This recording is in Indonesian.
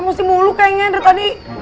emosi mulu kayaknya dari tadi